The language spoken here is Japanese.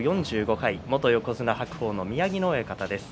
４５回元横綱白鵬の宮城野親方です。